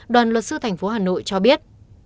đoàn luật sư tp hà nội cho biết